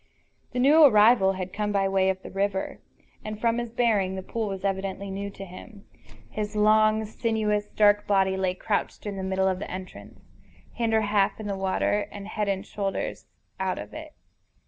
The new arrival had come by way of the river, and, from his bearing, the pool was evidently new to him. His long, sinuous, dark body lay crouched in the middle of the entrance, hinder half in the water and head and shoulders out of it.